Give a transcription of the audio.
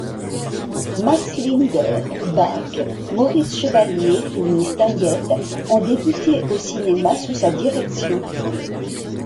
Max Linder, Bach, Maurice Chevalier ou Mistinguett ont débuté au cinéma sous sa direction.